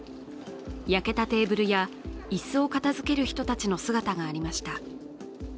焼けたテーブルや椅子を片づける人たちの姿がありました。